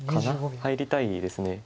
入りたいです。